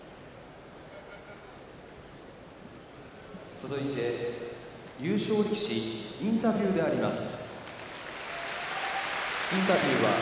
続いて優勝力士インタビューであります。